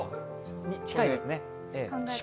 近いですね。